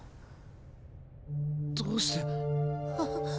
どうして？